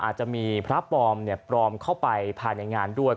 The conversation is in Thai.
อาจจะมีพตอบปลอมผ่านในงานด้วย